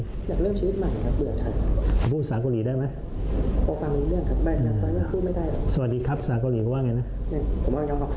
อยากเลือกชีวิตใหม่เดือนเทศ